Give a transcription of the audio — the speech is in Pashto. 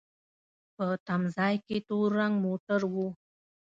په تم ځای کې تور رنګ موټر و.